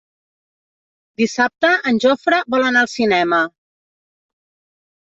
Dissabte en Jofre vol anar al cinema.